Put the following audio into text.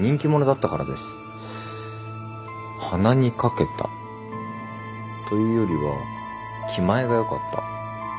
鼻に掛けたというよりは気前が良かった。